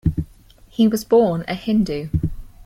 He was born a Hindu.